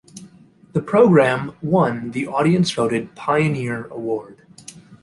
The programme won the audience-voted "Pioneer Award".